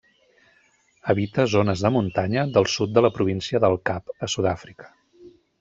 Habita zones de muntanya del sud de la Província del Cap, a Sud-àfrica.